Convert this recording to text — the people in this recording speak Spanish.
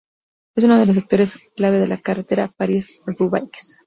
Es uno de los sectores clave de la carrera París-Roubaix.